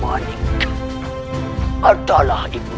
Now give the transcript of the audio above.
memiliki kekuatan yang sangat baik